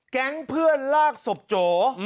แก๊งเพื่อนลากศพโจ